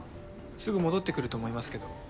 すぐ戻ってくると思いますけど